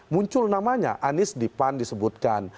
muncul namanya anies dipan disebutkan